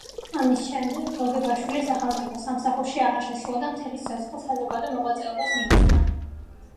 ამის შემდეგ, გოგებაშვილი სახელმწიფო სამსახურში აღარ შესულა და მთელი სიცოცხლე საზოგადო მოღვაწეობას მიუძღვნა.